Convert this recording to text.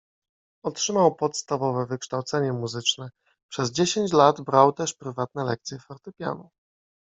Otrzymał podstawowe wykształcenie muzyczne, przez dziesięć lat brał też prywatne lekcje fortepianu.